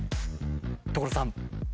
所さん！